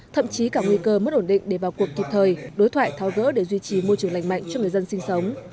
thậm chí cả nguy cơ mất ổn định để vào cuộc kịp thời đối thoại tháo gỡ để duy trì môi trường lành mạnh cho người dân sinh sống